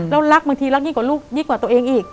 แล้วรักบางทีรักยิ่งกว่าลูกยิ่งกว่าตัวเองอีก